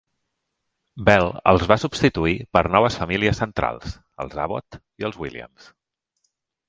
Bell els va substituir per noves famílies centrals, els Abbott i els Williams.